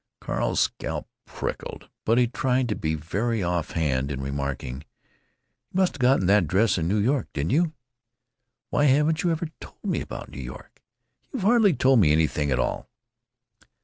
Carl's scalp tickled, but he tried to be very offhand in remarking: "You must have gotten that dress in New York, didn't you? Why haven't you ever told me about New York? You've hardly told me anything at all."